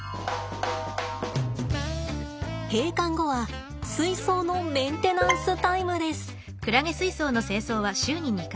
閉館後は水槽のメンテナンスタイムです。